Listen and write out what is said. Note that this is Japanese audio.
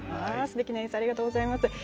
すてきな演奏ありがとうございます。